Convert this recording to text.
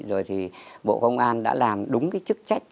rồi thì bộ công an đã làm đúng cái chức trách